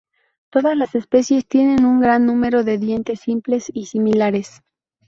Todas las especies tienen un gran número de dientes simples y similares.